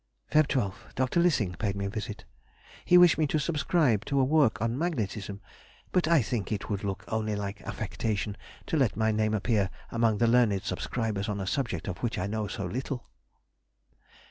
Feb. 12th.—Dr. Lissing paid me a visit. He wished me to subscribe to a work on Magnetism, but I think it would look only like affectation to let my name appear among the learned subscribers on a subject of which I know so little.